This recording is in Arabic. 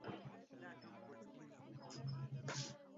أخبر توم ماري بأنها لا يجب أن تذهب إلى هناك بمفردها.